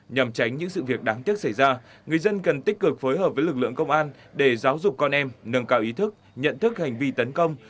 nhằm tránh những sự việc đáng tiếc xảy ra người dân cần tích cực phối hợp với lực lượng công an để giáo dục con em nâng cao ý thức nhận thức hành vi tấn công